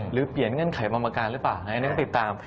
หรือเปลี่ยนเงินไขบำราการหรือเปล่าอันนี้ก็ติดตาม